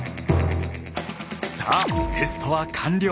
さあテストは完了。